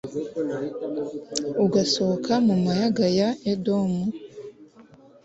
ugasohoka mu mayaga ya edomu